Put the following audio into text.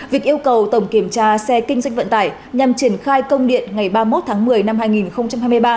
việc yêu cầu tổng kiểm tra xe kinh doanh vận tải nhằm triển khai công điện ngày ba mươi một tháng một mươi năm hai nghìn hai mươi ba